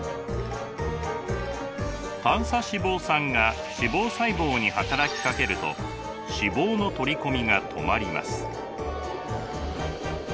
短鎖脂肪酸が脂肪細胞に働きかけると脂肪の取り込みが止まります。